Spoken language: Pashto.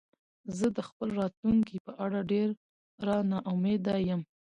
زه د خپل راتلونکې په اړه ډېره نا امیده یم